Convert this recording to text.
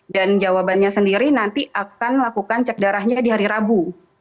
dan jawabannya sendiri nanti akan melakukan cek darahnya di hari rabu